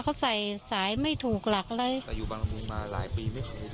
เขาใส่สายไม่ถูกหลักเลยอายุบางละมุมมาหลายปีไม่ใช่